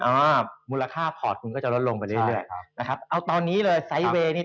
ความถือหุ้นมูลค่ามากจะลดลงไปเรื่อย